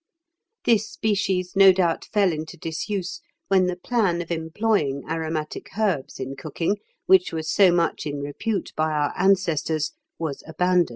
This species no doubt fell into disuse when the plan of employing aromatic herbs in cooking, which was so much in repute by our ancestors, was abandoned.